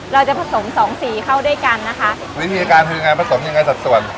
เราจะผสมสองสีเข้าด้วยกันนะคะวิธีการคือยังไงผสมยังไงสัดส่วน